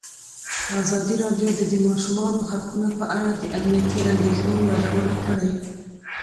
ازادي راډیو د د ماشومانو حقونه په اړه د امنیتي اندېښنو یادونه کړې.